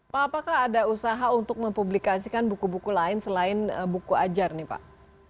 pak apakah ada usaha untuk mempublikasikan buku buku lain selain buku ajar nih pak